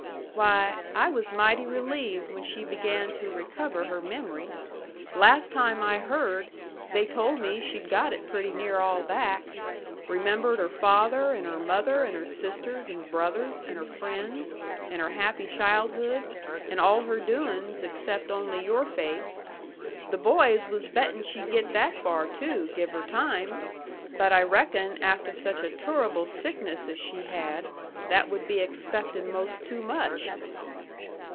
"Why, I was mighty relieved when she began to recover her mem'ry. Las' time I heard, they told me she'd got it pretty near all back. Remembered her father, and her mother, and her sisters and brothers, and her friends, and her happy childhood, and all her doin's except only your face. The boys was bettin' she'd get that far too, give her time. But I reckon afteh such a turrable sickness as she had, that would be expectin' most too much."